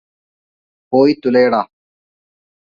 പോയി തുലയെടാ